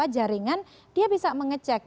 jaringan dia bisa mengecek